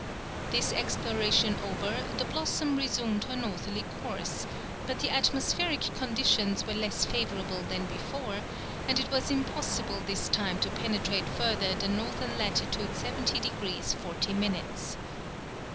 This exploration over, the Blossom resumed her northerly course, but the atmospheric conditions were less favourable than before, and it was impossible this time to penetrate further than N. lat. 70 degrees 40 minutes.